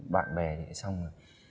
bạn bè thì xong rồi